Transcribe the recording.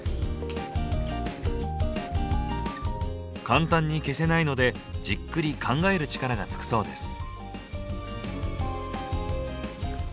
簡単に消せないのでじっくり考える力がつくそうです。